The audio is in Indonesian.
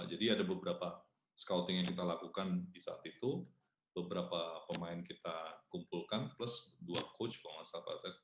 ada beberapa scouting yang kita lakukan di saat itu beberapa pemain kita kumpulkan plus dua coach kalau nggak salah